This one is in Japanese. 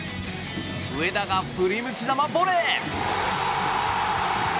上田が振り向きざまボレー！